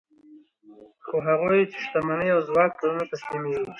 خو هغوی چې شتمنۍ او ځواک ته نه تسلیمېږي